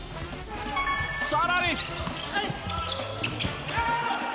さらに。